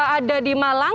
tiga ada di malang